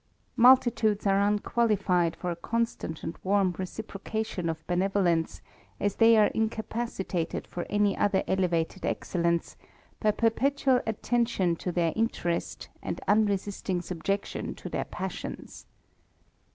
Multitudes are unqualified for a constant and warm reciprocation of benevolence, as they are incapacitated fof THE RAMBLER. any other elevated excellence, by perpetual attention to their interest and unresisting subjection to their passions.